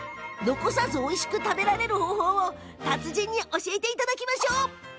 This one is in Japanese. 残さずおいしく食べられる方法を達人に教えていただきましょう。